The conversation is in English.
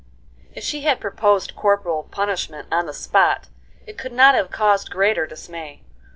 If she had proposed corporal punishment on the spot it could not have caused greater dismay.